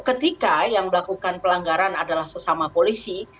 ketika yang melakukan pelanggaran adalah sesama polisi